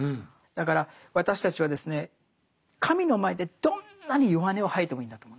だから私たちはですね神の前でどんなに弱音を吐いてもいいんだと思うんですよ。